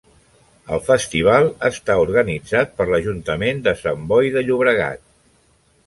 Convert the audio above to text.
El Festival està organitzat per l'Ajuntament de Sant Boi de Llobregat.